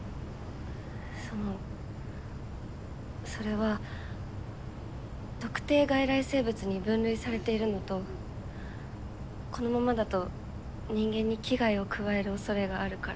そのそれは特定外来生物に分類されているのとこのままだと人間に危害を加えるおそれがあるから。